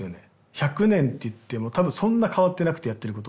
１００年って言っても多分そんな変わってなくてやってることは。